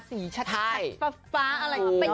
สีชัดฟ้าอะไรอยู่